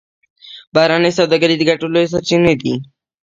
بهرنۍ سوداګري د ګټو لویې سرچینې دي